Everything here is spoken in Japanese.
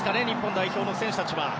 日本代表の選手たちは。